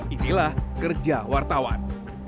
inilah kerja wartawan